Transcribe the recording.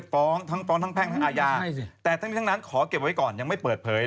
ขณะตอนอยู่ในสารนั้นไม่ได้พูดคุยกับครูปรีชาเลย